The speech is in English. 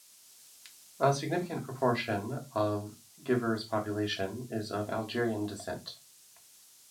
A significant proportion of Givors' population is of Algerian descent.